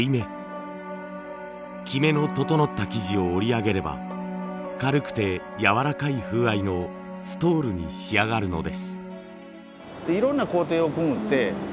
きめの整った生地を織りあげれば軽くてやわらかい風合いのストールに仕上がるのです。